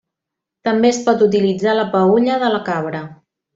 També es pot utilitzar la peülla de la cabra.